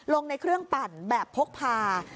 ในเครื่องปั่นแบบพกพา